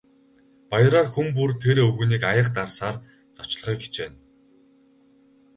Баяраар хүн бүр тэр өвгөнийг аяга дарсаар зочлохыг хичээнэ.